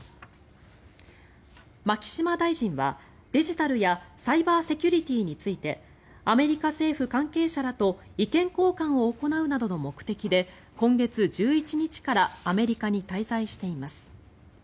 牧島大臣は、デジタルやサイバーセキュリティーについてアメリカ政府関係者らと意見交換を行うなどの目的で今月１１日からアメリカに滞在しています。